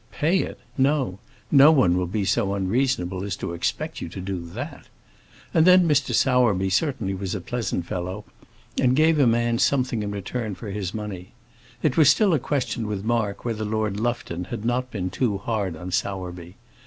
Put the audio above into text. Pay it! No; no one will be so unreasonable as to expect you to do that! And then Mr. Sowerby certainly was a pleasant fellow, and gave a man something in return for his money. It was still a question with Mark whether Lord Lufton had not been too hard on Sowerby.